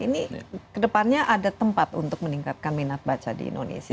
ini kedepannya ada tempat untuk meningkatkan minat baca di indonesia